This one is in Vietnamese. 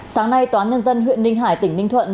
sáng nay tòa án nhân dân huyện ninh hải tỉnh ninh thuận